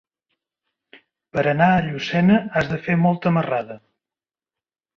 Per anar a Llucena has de fer molta marrada.